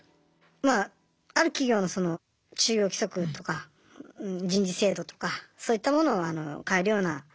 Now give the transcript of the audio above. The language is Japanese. まあある企業のその就業規則とか人事制度とかそういったものを変えるような仕事をさせてもらったんですけど。